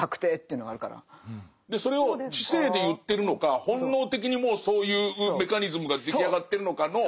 それを知性で言ってるのか本能的にもうそういうメカニズムが出来上がってるのかの。